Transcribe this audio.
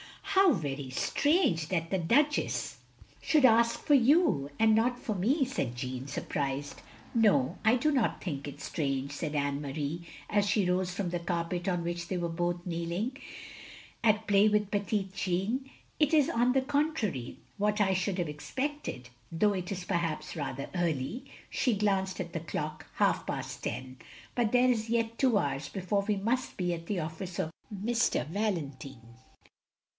" "How very strange that the Duchess should OF GROSVENOR SQUARE 361 ask for you, and not for me," said Jeanne, surprised. "No, I do not think it strange," said Anne Marie, as she rose from the carpet on which they were both kneeling, at play with petit Jean. It is on the contrary what I should have expected, though it is perhaps rather early —" she glanced at the clock, "half past ten. But there is yet two hours before we must be at the office of M. Valentine.